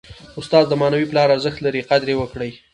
استاد د معنوي پلار ارزښت لري. قدر ئې وکړئ!